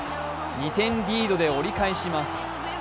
２点リードで折り返します。